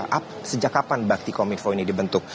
dan juga sejak kapan bakti kominfo ini dibentuk